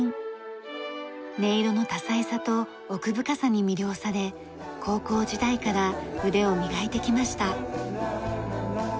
音色の多彩さと奥深さに魅了され高校時代から腕を磨いてきました。